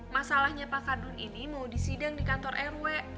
masalahnya pak kadun ini mau disidang di kantor rw